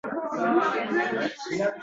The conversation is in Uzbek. Tug’ilganimda malaklar ichimga bir bomba